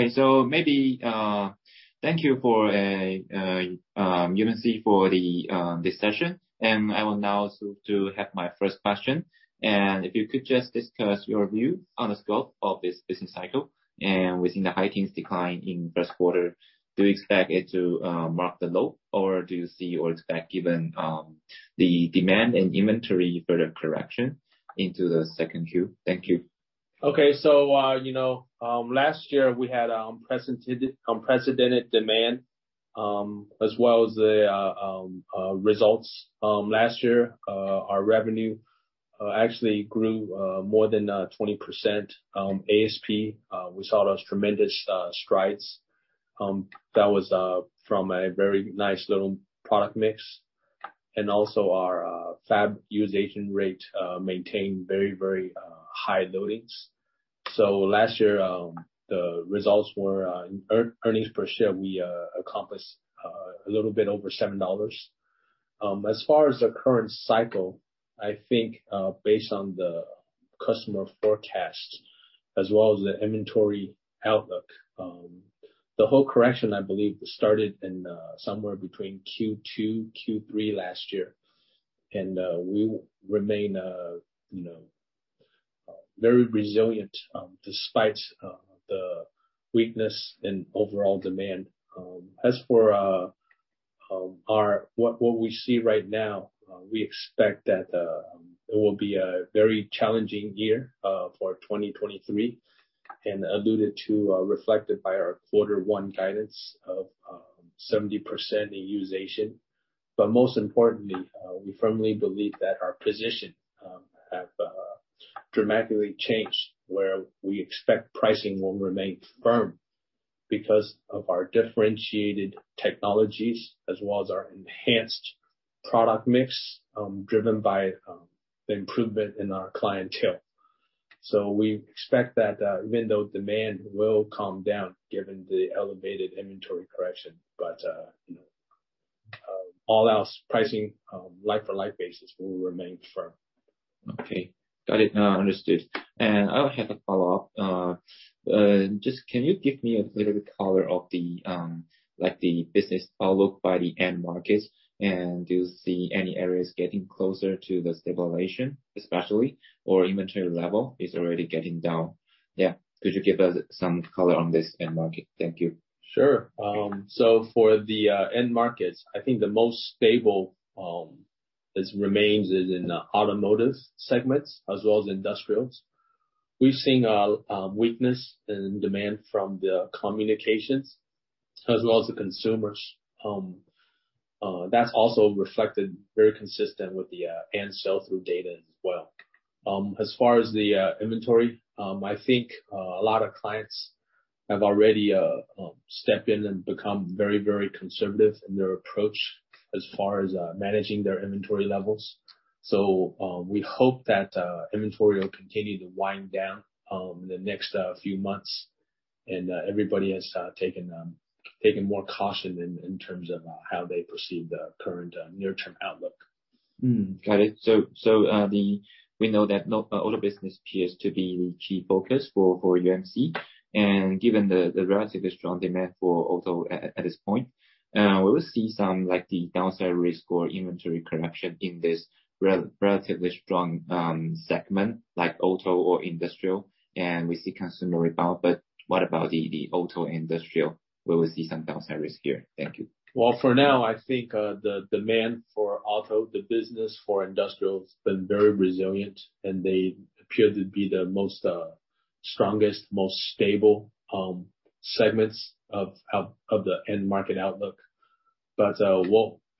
Okay, so maybe thank you UMC for this session. I will now sort of have my first question. If you could just discuss your view on the scope of this business cycle and within the high-teens decline in first quarter, do you expect it to mark the low, or do you see or expect, given the demand and inventory for the correction into the second Q? Thank you. Okay. So, you know, last year we had unprecedented demand, as well as the results. Last year, our revenue actually grew more than 20%. ASP, we saw those tremendous strides. That was from a very nice little product mix. And also our fab utilization rate maintained very, very high loadings. So last year, the results were earnings per share, we accomplished a little bit over $7. As far as the current cycle, I think, based on the customer forecast as well as the inventory outlook, the whole correction, I believe, started in somewhere between Q2, Q3 last year. And we remain, you know, very resilient, despite the weakness in overall demand. As for what we see right now, we expect that it will be a very challenging year for 2023, and alluded to, reflected by our quarter one guidance of 70% utilization. But most importantly, we firmly believe that our position have dramatically changed where we expect pricing will remain firm because of our differentiated technologies as well as our enhanced product mix driven by the improvement in our clientele. So we expect that even though demand will calm down given the elevated inventory correction, you know, all else pricing like-for-like basis will remain firm. Okay. Got it. No, understood. And I'll have a follow-up. Just, can you give me a little bit of color on the, like, the business outlook by the end markets? And do you see any areas getting closer to the stabilization, especially, or inventory level is already getting down? Yeah. Could you give us some color on this end market? Thank you. Sure. So for the end markets, I think the most stable remains in the automotive segments as well as industrials. We've seen weakness in demand from the communications as well as the consumers. That's also reflected very consistent with the end sell-through data as well. As far as the inventory, I think a lot of clients have already stepped in and become very, very conservative in their approach as far as managing their inventory levels. So we hope that inventory will continue to wind down in the next few months. And everybody has taken more caution in terms of how they perceive the current near-term outlook. Got it. So, we know that non-auto business appears to be the key focus for UMC. And given the relatively strong demand for auto at this point, we will see some, like, the downside risk or inventory correction in this relatively strong segment, like auto or industrial. And we see consumer rebound. But what about the auto and industrial? We will see some downside risk here. Thank you. For now, I think the demand for auto, the business for industrial has been very resilient, and they appear to be the most, strongest, most stable segments of the end-market outlook.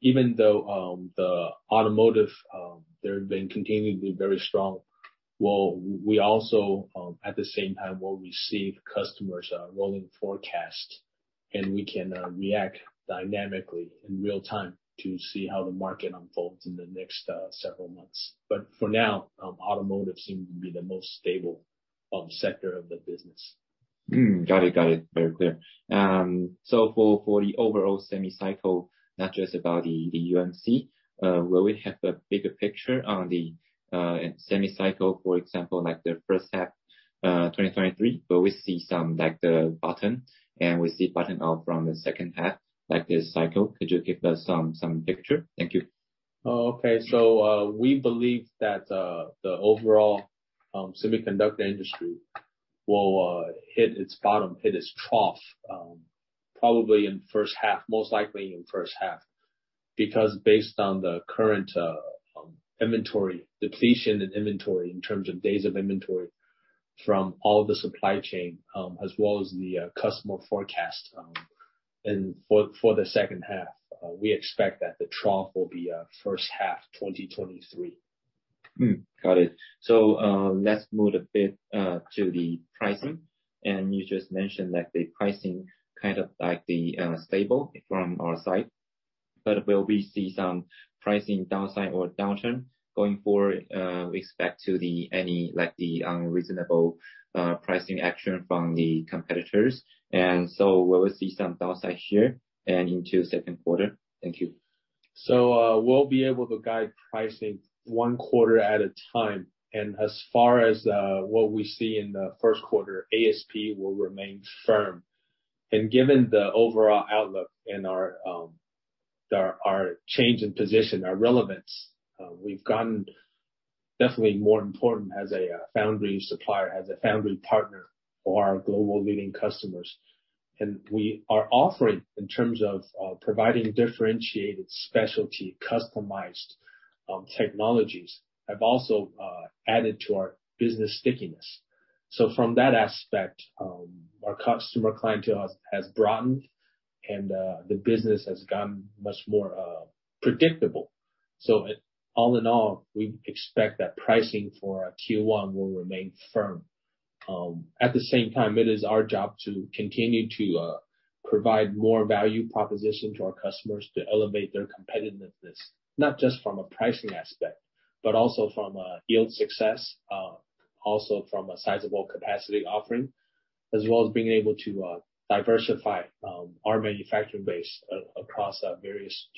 Even though the automotive, they've been continuing to be very strong, we also, at the same time, will receive customers' rolling forecast, and we can react dynamically in real time to see how the market unfolds in the next several months. For now, automotive seems to be the most stable sector of the business. Got it. Got it. Very clear. So for the overall semi-cycle, not just about the UMC, will we have a bigger picture on the semi-cycle, for example, like the first half, 2023? But we see some, like, the bottom, and we see bottom out from the second half, like the cycle. Could you give us some picture? Thank you. Oh, okay. So, we believe that the overall semiconductor industry will hit its bottom, hit its trough, probably in the first half, most likely in the first half, because based on the current inventory depletion and inventory in terms of days of inventory from all the supply chain, as well as the customer forecast, and for, for the second half, we expect that the trough will be first half 2023. Got it. So, let's move a bit to the pricing. And you just mentioned, like, the pricing kind of like it's stable from our side. But will we see some pricing downside or downturn going forward? We expect to see any, like, reasonable pricing action from the competitors. And so we will see some downside here and into second quarter. Thank you. We'll be able to guide pricing one quarter at a time. As far as what we see in the first quarter, ASP will remain firm. Given the overall outlook and our change in position, our relevance, we've gotten definitely more important as a foundry supplier, as a foundry partner for our global leading customers. We are offering in terms of providing differentiated specialty customized technologies have also added to our business stickiness. From that aspect, our customer clientele has broadened, and the business has gotten much more predictable. All in all, we expect that pricing for Q1 will remain firm. At the same time, it is our job to continue to provide more value proposition to our customers to elevate their competitiveness, not just from a pricing aspect, but also from a yield success, also from a sizable capacity offering, as well as being able to diversify our manufacturing base across various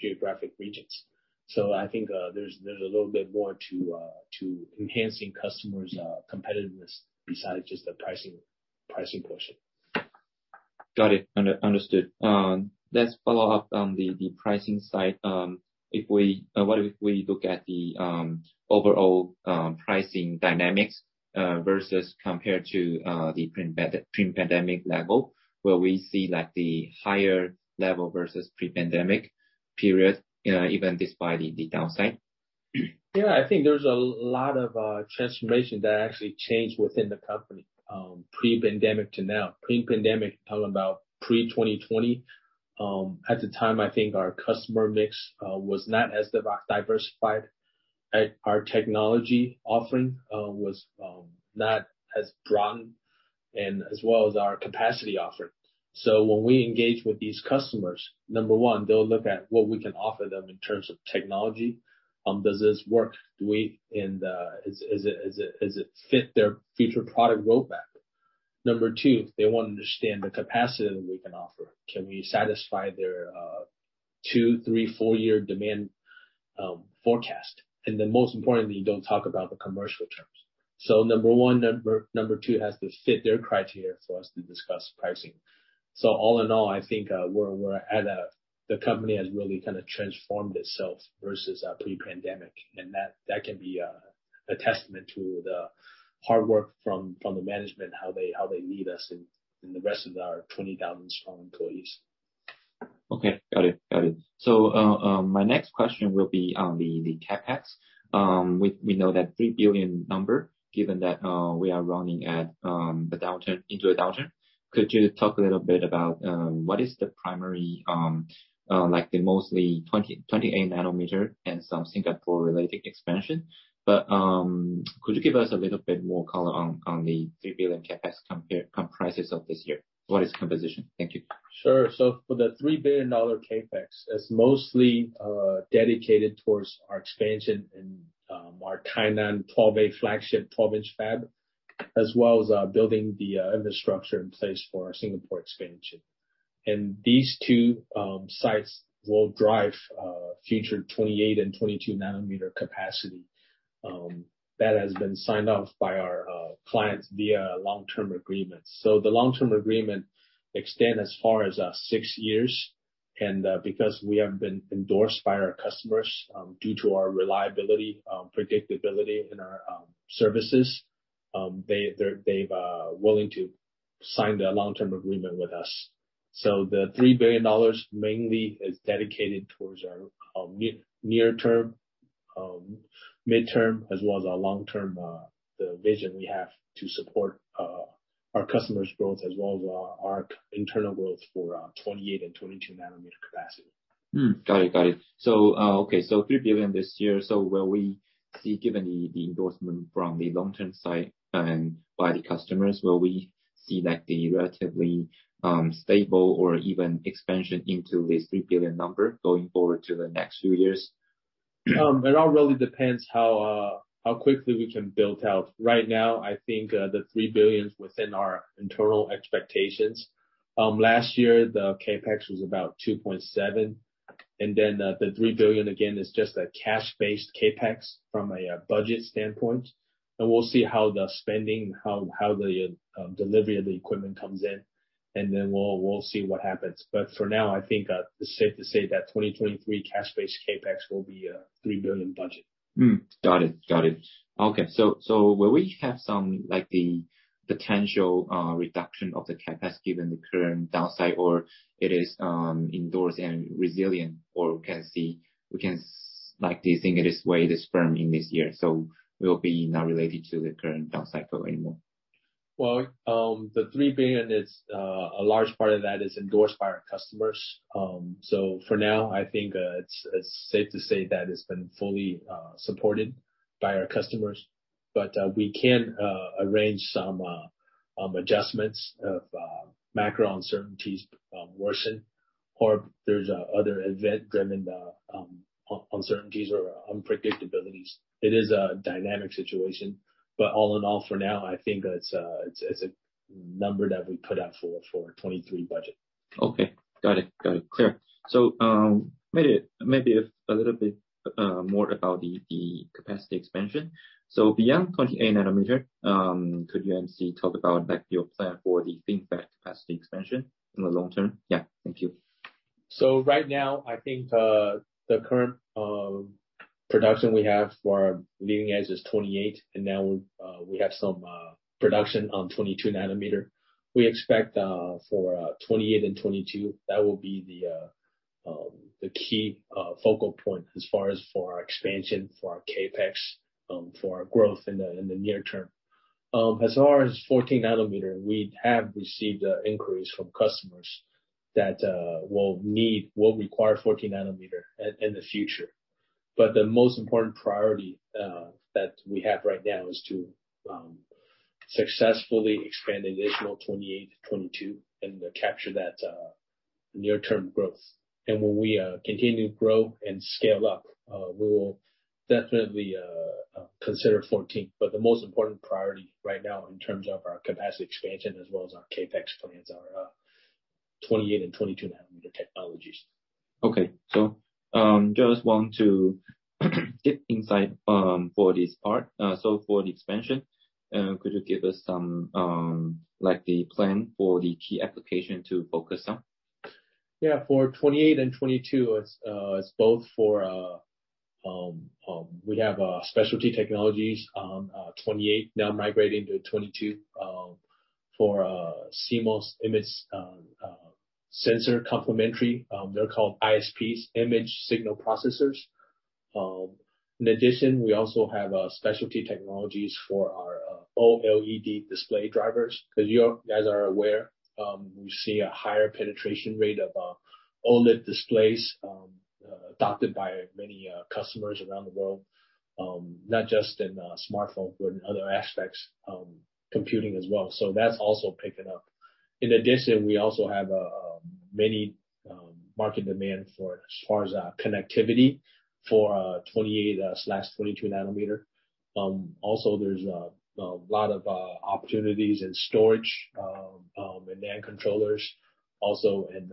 geographic regions, so I think there's a little bit more to enhancing customers' competitiveness besides just the pricing portion. Got it. Understood. Let's follow up on the pricing side. What if we look at the overall pricing dynamics versus compared to the pre-pandemic level, where we see like the higher level versus pre-pandemic period, even despite the downside? Yeah. I think there's a lot of transformation that actually changed within the company, pre-pandemic to now. Pre-pandemic, talking about pre-2020, at the time, I think our customer mix was not as diversified. Our technology offering was not as broadened and as well as our capacity offering. So when we engage with these customers, number one, they'll look at what we can offer them in terms of technology. Does this work? Do we and is it fit their future product roadmap? Number two, they want to understand the capacity that we can offer. Can we satisfy their two, three, four-year demand forecast? And then most importantly, don't talk about the commercial terms. So number one, number two has to fit their criteria for us to discuss pricing. So all in all, I think the company has really kind of transformed itself versus a pre-pandemic. And that can be a testament to the hard work from the management, how they lead us in the rest of our 20,000-strong employees. Okay. Got it. Got it. So, my next question will be on the CapEx. We know that $3 billion number, given that we are running at the downturn into a downturn. Could you talk a little bit about what is the primary, like the mostly 22, 28 nanometer and some Singapore-related expansion? But could you give us a little bit more color on the $3 billion CapEx compared comparisons of this year? What is composition? Thank you. Sure. So for the $3 billion CapEx, it's mostly dedicated towards our expansion and our Tainan 12A flagship 12-inch fab, as well as building the infrastructure in place for our Singapore expansion. And these two sites will drive future 28 and 22 nanometer capacity that has been signed off by our clients via long-term agreements. So the long-term agreement extends as far as six years. And because we have been endorsed by our customers due to our reliability, predictability in our services, they're willing to sign the long-term agreement with us. So the $3 billion mainly is dedicated towards our near-term, midterm, as well as our long-term vision we have to support our customers' growth, as well as our internal growth for 28 and 22 nanometer capacity. Got it. Got it. So, okay. So $3 billion this year. So will we see, given the endorsement from the long-term side and by the customers, will we see like relatively stable or even expansion into this $3 billion number going forward to the next few years? It all really depends how quickly we can build out. Right now, I think, the $3 billion's within our internal expectations. Last year, the CapEx was about $2.7 billion. And then, the $3 billion again is just a cash-based CapEx from a budget standpoint. And we'll see how the spending, how the delivery of the equipment comes in. And then we'll see what happens. But for now, I think, it's safe to say that 2023 cash-based CapEx will be a $3 billion budget. Got it. Okay. So, will we have some, like, the potential reduction of the CapEx given the current downside or it is endorsed and resilient or we can see we can like the thing it is where it is firm in this year? So we'll be not related to the current downside goal anymore. The $3 billion is a large part of that is endorsed by our customers. So for now, I think it's safe to say that it's been fully supported by our customers. We can arrange some adjustments of macro uncertainties worsen or there's other event-driven uncertainties or unpredictabilities. It is a dynamic situation. All in all, for now, I think it's a number that we put out for 2023 budget. Okay. Got it. Clear. So maybe a little bit more about the capacity expansion. So beyond 28 nanometer, could UMC talk about, like, your plan for the capacity expansion in the long term? Yeah. Thank you. So right now, I think the current production we have for our leading edge is 28. And now, we have some production on 22 nanometer. We expect for 28 and 22 that will be the key focal point as far as for our expansion, for our CapEx, for our growth in the near term. As far as 14 nanometer, we have received an increase from customers that will need, will require 14 nanometer in the future. But the most important priority that we have right now is to successfully expand additional 28, 22, and capture that near-term growth. And when we continue to grow and scale up, we will definitely consider 14. But the most important priority right now in terms of our capacity expansion as well as our CapEx plans are 28 and 22 nanometer technologies. Okay. So, just want to get insight for this part. So for the expansion, could you give us some, like, the plan for the key application to focus on? Yeah. For 28 and 22, it's both for we have specialty technologies on 28, now migrating to 22, for CMOS image sensor complementary. They're called ISPs, Image Signal Processors. In addition, we also have specialty technologies for our OLED display drivers. As you guys are aware, we see a higher penetration rate of OLED displays adopted by many customers around the world, not just in smartphones, but in other aspects, computing as well. So that's also picking up. In addition, we also have many market demand for as far as connectivity for 28/22-nanometer. Also, there's a lot of opportunities in storage and NAND controllers. Also, in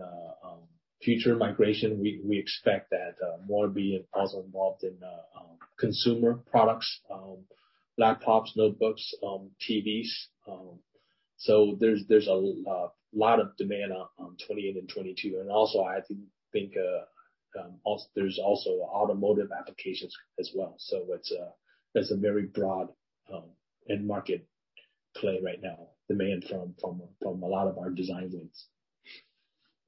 future migration, we expect that more be involved in consumer products, laptops, notebooks, TVs. So there's a lot of demand on 28 and 22, and also, I think, there's also automotive applications as well. So it's a very broad end market play right now, demand from a lot of our design wins.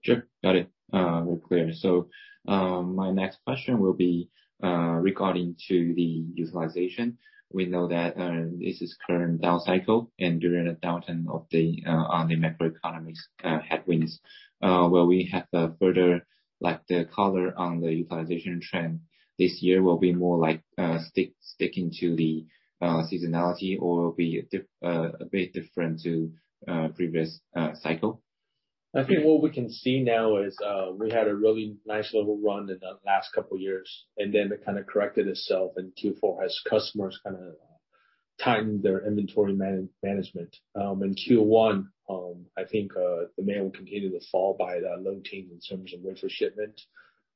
Sure. Got it. We're clear. So, my next question will be regarding to the utilization. We know that this is current down cycle. And during the downturn on the macroeconomic headwinds, will we have a further like the color on the utilization trend this year will be more like sticking to the seasonality or will be a bit different to previous cycle? I think what we can see now is, we had a really nice little run in the last couple of years, and then it kind of corrected itself in Q4 as customers kind of tightened their inventory management. In Q1, I think, wafer shipment will continue to fall by the low teens in terms of wafer shipment.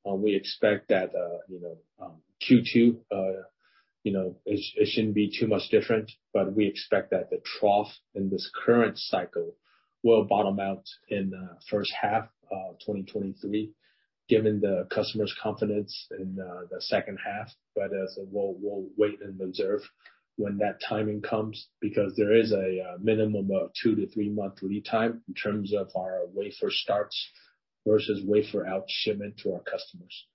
We expect that, you know, Q2, you know, it shouldn't be too much different, but we expect that the trough in this current cycle will bottom out in the first half of 2023, given the customer's confidence in the second half, but so we'll wait and observe when that timing comes because there is a minimum of two to three month lead time in terms of our wafer starts versus wafer out shipment to our customers.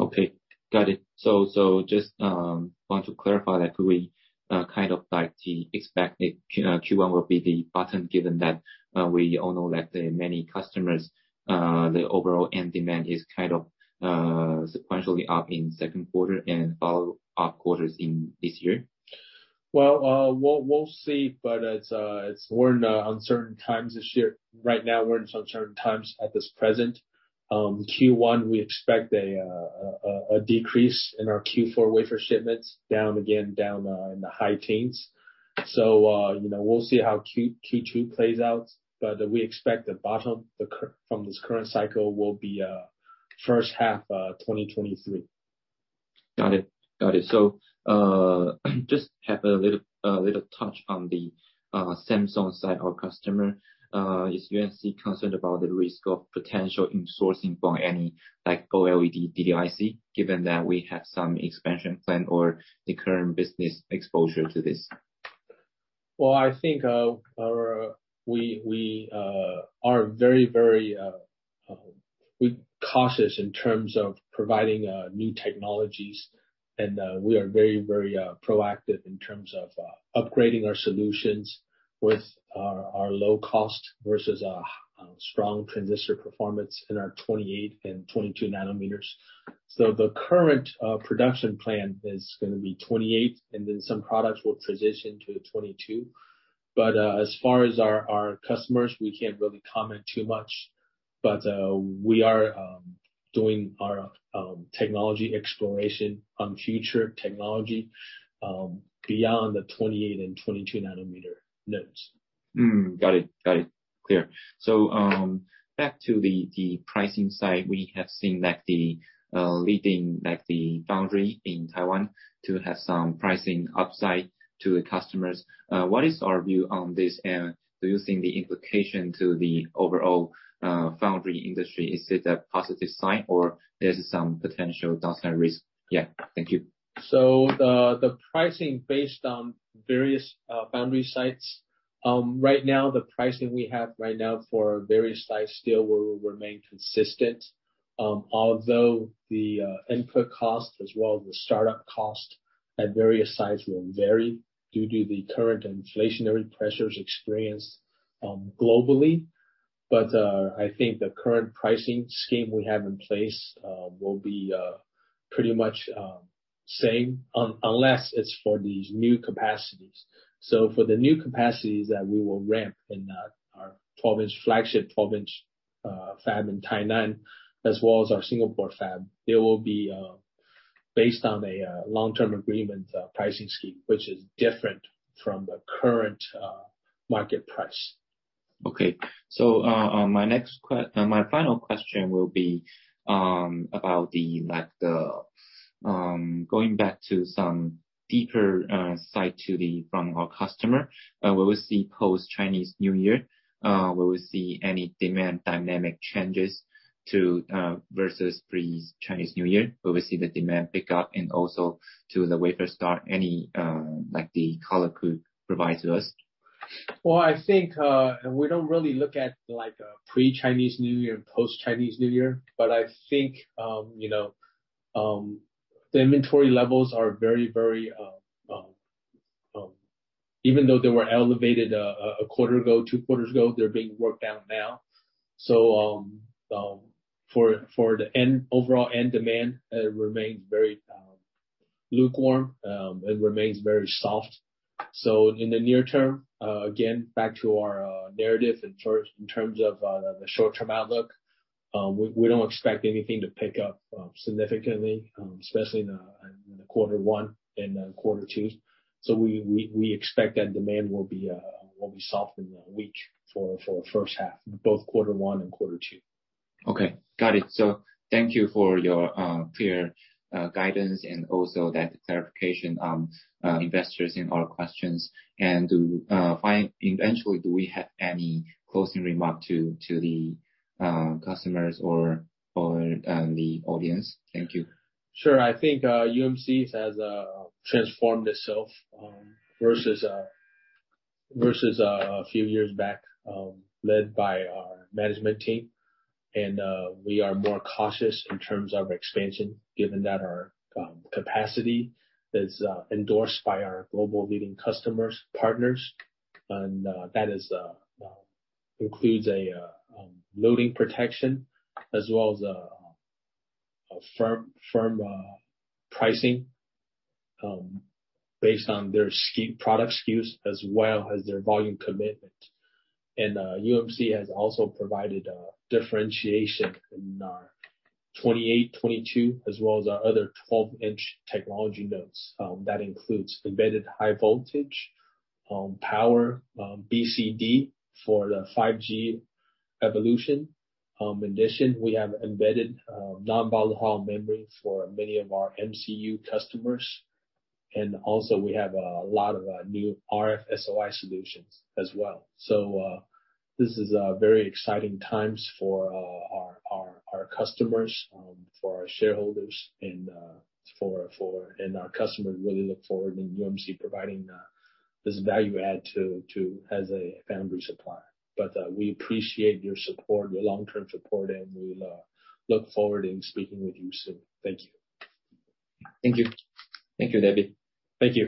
Okay. Got it. So just want to clarify that we kind of like the expected Q1 will be the bottom, given that we all know that the many customers, the overall end demand is kind of sequentially up in second quarter and follow-up quarters in this year? We'll see. It's more uncertain times this year. Right now, we're in some certain times at this present. Q1, we expect a decrease in our Q4 wafer shipments down in the high teens. You know, we'll see how Q2 plays out. We expect the bottom from this current cycle will be a first half of 2023. Got it. Got it. So, just have a little touch on the Samsung side, our customer. Is UMC concerned about the risk of potential insourcing for any, like, OLED DDIC, given that we have some expansion plan or the current business exposure to this? I think we are very cautious in terms of providing new technologies. We are very proactive in terms of upgrading our solutions with our low cost versus a strong transistor performance in our 28 and 22 nanometers. The current production plan is going to be 28, and then some products will transition to 22. As far as our customers, we can't really comment too much. We are doing our technology exploration on future technology, beyond the 28 and 22 nanometer nodes. Got it. Got it. Clear. So, back to the pricing side, we have seen like the leading, like the foundry in Taiwan to have some pricing upside to the customers. What is our view on this? And do you think the implication to the overall foundry industry is it a positive sign or there's some potential downside risk? Yeah. Thank you. So, the pricing based on various foundry sites right now, the pricing we have right now for various sites still will remain consistent, although the input cost as well as the startup cost at various sites will vary due to the current inflationary pressures experienced globally. But I think the current pricing scheme we have in place will be pretty much same unless it's for these new capacities. So for the new capacities that we will ramp in, our 12-inch flagship 12-inch fab in Tainan, as well as our Singapore fab, there will be based on a long-term agreement pricing scheme, which is different from the current market price. Okay. So, my next question, my final question will be about the, like, going back to some deeper side to the from our customer. Will we see post-Chinese New Year? Will we see any demand dynamic changes versus pre-Chinese New Year? Will we see the demand pick up and also to the wafer start, any like the color you could provide to us? I think we don't really look at like a pre-Chinese New Year and post-Chinese New Year. But I think, you know, the inventory levels are very very, even though they were elevated a quarter ago, two quarters ago, they're being worked out now. So for the overall end demand, it remains very lukewarm and remains very soft. So in the near term, again, back to our narrative in terms of the short-term outlook, we expect that demand will be soft in the weak for the first half, both quarter one and quarter two. Okay. Got it, so thank you for your clear guidance and also that clarification on investors in our questions. Eventually, do we have any closing remark to the customers or the audience? Thank you. Sure. I think UMC has transformed itself versus a few years back, led by our management team, and we are more cautious in terms of expansion, given that our capacity is endorsed by our global leading customers, partners, and that includes loading protection as well as a firm pricing based on their product SKUs as well as their volume commitment. And UMC has also provided a differentiation in our 28, 22, as well as our other 12-inch technology nodes, that includes embedded high voltage, power, BCD for the 5G evolution. In addition, we have embedded non-volatile memory for many of our MCU customers, and also we have a lot of new RF SOI solutions as well. This is very exciting times for our customers, for our shareholders, and our customers really look forward to UMC providing this value add to as a foundry supplier. But we appreciate your support, your long-term support, and we'll look forward to speaking with you soon. Thank you. Thank you. Thank you, David. Thank you.